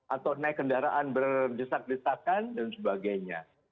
atau naik kendaraan berdesak desakan dan sebagainya